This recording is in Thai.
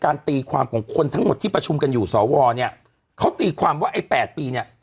ตีความของคนทั้งหมดที่ประชุมกันอยู่สวเนี่ยเขาตีความว่าไอ้๘ปีเนี่ย